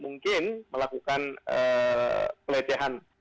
mungkin melakukan pelecehan